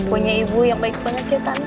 punya ibu yang baik banget ya kan